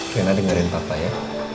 rina dengerin papa ya